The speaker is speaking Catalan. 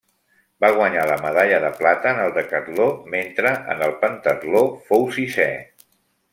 Va guanyar la medalla de plata en el decatló, mentre en el pentatló fou sisè.